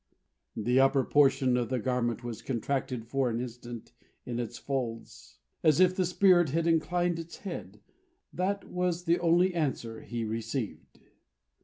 The upper portion of the garment was contracted for an instant in its folds, as if the Spirit had inclined its head. That was the only answer he received.